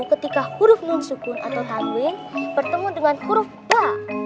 ketika huruf nunsukun atau tanwin bertemu dengan huruf ba